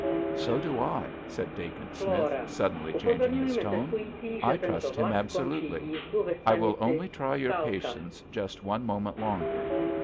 "So do I," said Dacent Smith, suddenly changing his tone. "I trust him absolutely. I will only try your patience just one moment longer."